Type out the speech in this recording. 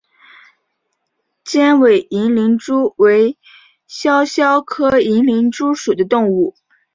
尖尾银鳞蛛为肖峭科银鳞蛛属的动物。